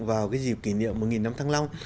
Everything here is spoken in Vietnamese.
vào cái dịp kỷ niệm một năm thăng long